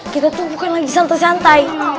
kita tuh bukan lagi santai santai